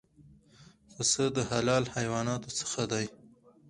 پسه د حلال حیواناتو څخه دی.